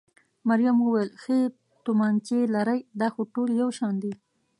مريم وویل: ښې تومانچې لرئ؟ دا خو ټولې یو شان دي.